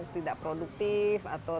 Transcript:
tidak produktif atau